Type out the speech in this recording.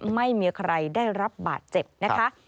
ไม่มีใครได้รับบาดเจ็บนะคะ